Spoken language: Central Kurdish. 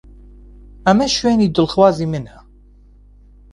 ئەمە شوێنی دڵخوازی منە.